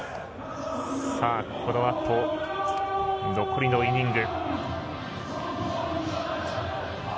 このあと、残りのイニング。